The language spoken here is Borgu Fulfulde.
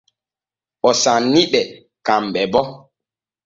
O sanni ɓe kanɓe bo.